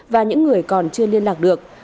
và những người còn chưa liên lạc được